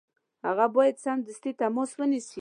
هغه باید سمدستي تماس ونیسي.